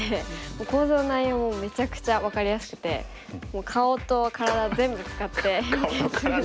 講座の内容もめちゃくちゃ分かりやすくて顔と体全部使って表現するのが。